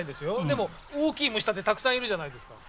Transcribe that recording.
でも大きい虫だってたくさんいるじゃないですか。